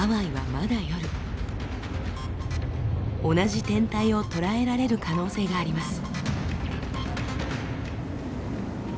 同じ天体を捉えられる可能性があります。